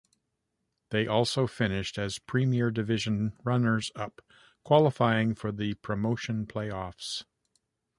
They also finished as Premier Division runners-up, qualifying for the promotion play-offs.